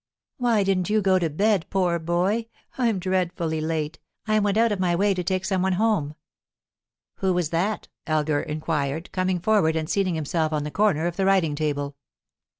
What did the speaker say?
"Why didn't you go to bed, poor boy? I'm dreadfully late; I went out of my way to take some one home." "Who was that?" Elgar inquired, coming forward and seating himself on the corner of the writing table.